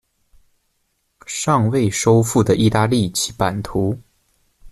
尚未收复的意大利其版图。